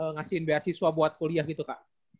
ngasihin beasiswa buat kuliah gitu kak